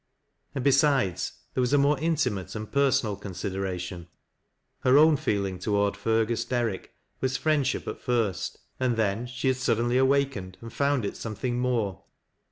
And, besides, there was a more intimate and personal con sideration. Her own feeling toward Fergus Derrick was friendship at first, and then she had suddenly awakened and found it something more.